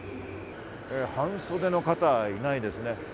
半袖の方、いないですね。